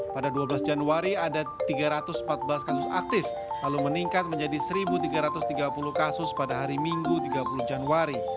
pada dua belas januari ada tiga ratus empat belas kasus aktif lalu meningkat menjadi satu tiga ratus tiga puluh kasus pada hari minggu tiga puluh januari